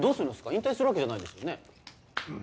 引退するわけじゃないですよね？